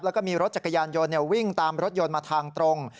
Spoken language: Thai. แล้วก็มีรถจักรยานยนต์วิ่งตามรถยนต์มาทางตรง